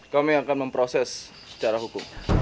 kami akan memproses secara hukum